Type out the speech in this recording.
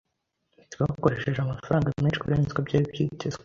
Twakoresheje amafaranga menshi kurenza uko byari byitezwe.